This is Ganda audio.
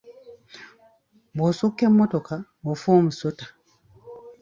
Bw’osukka emmotoka ofa omusota.